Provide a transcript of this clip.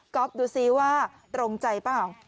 ก๊อฟดูสิว่าตรงใจป่าว